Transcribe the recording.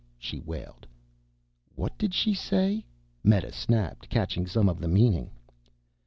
she wailed. "What did she say?" Meta snapped, catching some of the meaning.